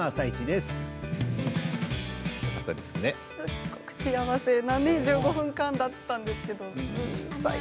すごく幸せな１５分間だったんですけれど。